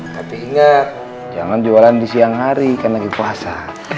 tapi ingat jangan jualan di siang hari kan lagi puasa